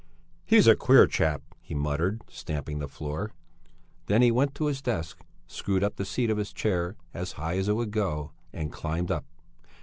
"He's a queer chap!" he muttered, stamping the floor. Then he went to his desk, screwed up the seat of his chair as high as it would go and climbed up.